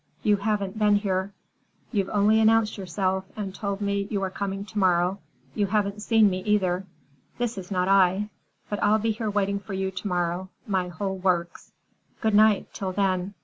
"You haven't been here. You've only announced yourself, and told me you are coming to morrow. You haven't seen me, either. This is not I. But I'll be here waiting for you to morrow, my whole works! Goodnight, till then."